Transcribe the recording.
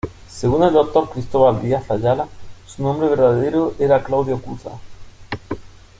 Según el Dr. Cristóbal Díaz Ayala, su nombre verdadero era Claudio Cuza.